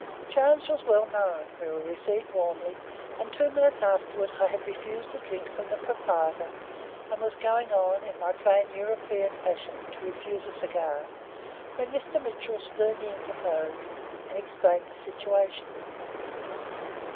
Jones was well known; we were received warmly; and two minutes afterwards I had refused a drink from the proprietor, and was going on, in my plain European fashion, to refuse a cigar, when Mr. Mitchell sternly interposed, and explained the situation.